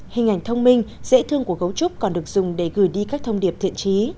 hình ảnh thông minh dễ thương của gấu trúc còn được dùng để gửi đi các thông điệp thiện trí